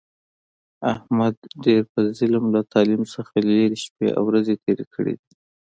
احمد ډېرې په ظلم، له تعلیم نه لرې شپې او ورځې تېرې کړې دي.